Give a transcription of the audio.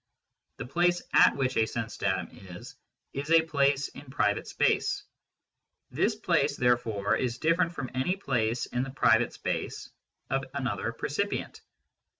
The place at which a sense datum is, is a place in private space. This place therefore is different from any place in the private space of another percipient.